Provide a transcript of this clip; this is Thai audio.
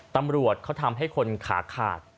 ตำรวจเขาทำให้คนขาขาด